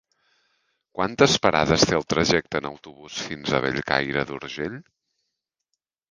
Quantes parades té el trajecte en autobús fins a Bellcaire d'Urgell?